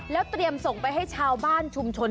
แล้วเตรียมส่งไปให้ชาวบ้านชุมชน